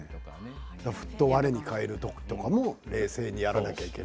ふと我にかえると冷静にやらなきゃいけないと。